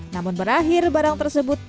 namun berakhir barang tersebut